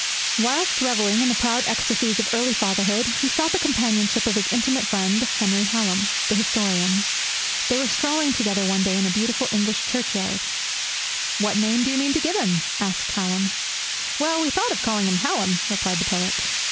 Whilst revelling in the proud ecstasies of early fatherhood, he sought the companionship of his intimate friend, Henry Hallam, the historian. They were strolling together one day in a beautiful English churchyard. 'What name do you mean to give him?' asked Hallam. 'Well, we thought of calling him Hallam,' replied the poet.